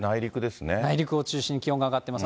内陸を中心に気温が上がってます。